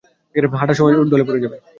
হাটার সময় ঢলে পড়ে যাবে।